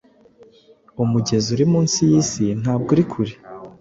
Umugezi uri munsi yisi ntabwo uri kure